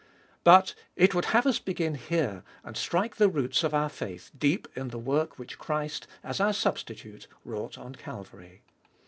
But it would have us begin here and strike the roots of our faith deep in the work which Christ, as our Substitute, wrought on Calvary.